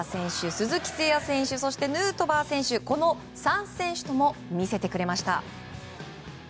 鈴木誠也選手そしてヌートバー選手３選手とも見せてくれました。